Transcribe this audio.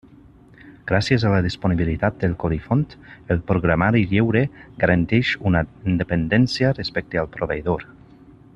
Gràcies a la disponibilitat del codi font, el programari lliure garanteix una independència respecte al proveïdor.